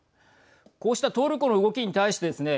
こうしたトルコの動きに対してですね